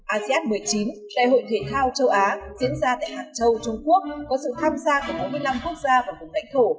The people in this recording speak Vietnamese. asean một mươi chín đại hội thể thao châu á diễn ra tại hạng châu trung quốc có sự tham gia của bốn mươi năm quốc gia và vùng lãnh thổ